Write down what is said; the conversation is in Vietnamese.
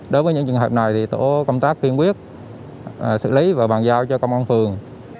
đối với những trường hợp này thì tổ công tác kiên quyết xử lý và bàn giao cho công an phường